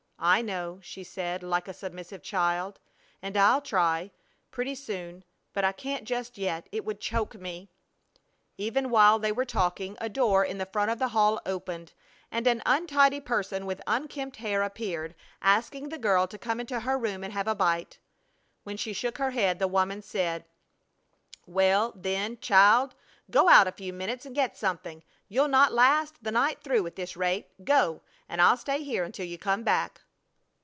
"I know," she said, like a submissive child; "and I'll try, pretty soon. But I can't just yet. It would choke me!" Even while they were talking a door in the front of the hall opened, and an untidy person with unkempt hair appeared, asking the girl to come into her room and have a bite. When she shook her head the woman said: "Well, then, child, go out a few minutes and get something. You'll not last the night through at this rate! Go, and I'll stay here until you come back."